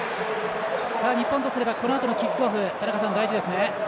日本とすればこのあとのキックオフ田中さん、大事ですね。